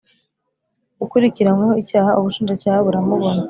ukurikiranyweho icyaha Ubushinjacyaha buramubona